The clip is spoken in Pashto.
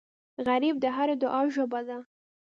غریب د هرې دعا ژبه ده